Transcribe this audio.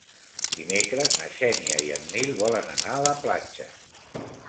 Dimecres na Xènia i en Nil volen anar a la platja.